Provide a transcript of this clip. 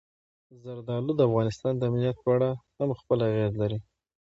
زردالو د افغانستان د امنیت په اړه هم خپل اغېز لري.